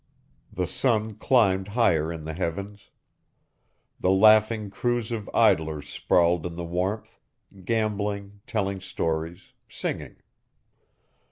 The sun climbed higher in the heavens. The laughing crews of idlers sprawled in the warmth, gambling, telling stories, singing.